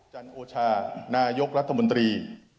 จันโอชานายกรัฐมนตรี